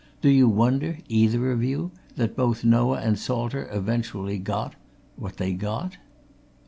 Do you wonder, either of you, that both Noah and Salter eventually got what they got?"